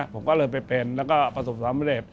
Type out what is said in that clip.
ผมก็เลยไปเป็นแล้วก็ประสบความสำเร็จ